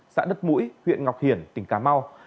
xã đất mũi huyện ngọc hiển tỉnh cà mau